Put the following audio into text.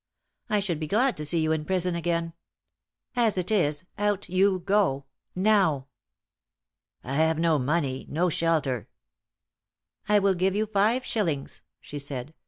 I should be glad to see you in prison again. As it is, out you go now!" "I have no money no shelter." "I will give you five shillings," she said.